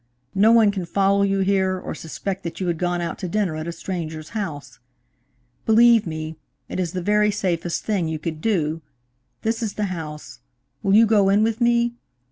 No one can follow you here, or suspect that you had gone out to dinner at a stranger's house. Believe me, it is the very safest thing you could do. This is the house. Will you go in with me?